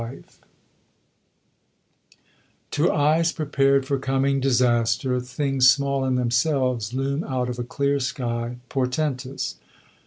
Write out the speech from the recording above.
III To eyes prepared for coming disaster things small in themselves loom out of a clear sky portentous.